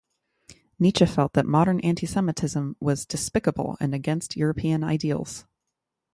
Nietzsche felt that modern antisemitism was "despicable" and against European ideals.